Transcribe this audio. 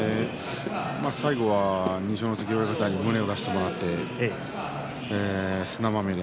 最後は二所ノ関親方に胸を出してもらって砂まみれ